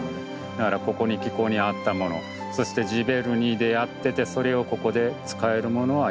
だからここに気候に合ったものそしてジヴェルニーでやっててそれをここで使えるものはやっていく。